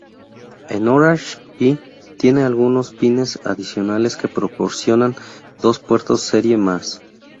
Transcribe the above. El Orange Pi tiene algunos pines adicionales que proporcionan dos puertos serie más.